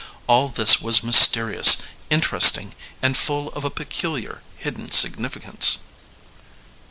All this was mysterious, interesting and full of a peculiar, hidden significance.